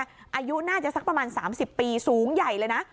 อายุน่าจะสักประมาณ๓๐ปีสูงใหญ่เลยนะ